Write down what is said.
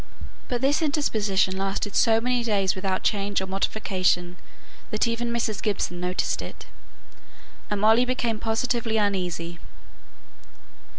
But this indisposition lasted so many days without change or modification, that even Mrs. Gibson noticed it, and Molly became positively uneasy.